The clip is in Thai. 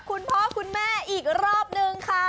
คุณพ่อคุณแม่อีกรอบนึงค่ะ